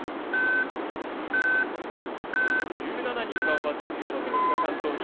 １７人が終わって１６人が完走。